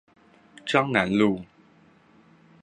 彰南路